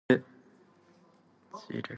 今日の為替相場は軟調に推移した